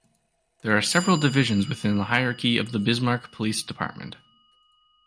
There are several divisions within the hierarchy of the Bismarck Police Department.